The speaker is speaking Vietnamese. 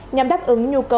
nhằm đáp ứng nhu cầu hồi phục